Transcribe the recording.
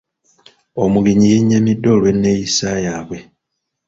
Omugenyi yenyamiddeolw'enneeyisa yaabwe.